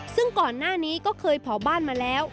ซึ่งก่อนหน้านี้ก็เคยเผาบ้านมาแล้ว